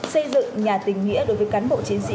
xây dựng nhà tình nghĩa đối với cán bộ chiến sĩ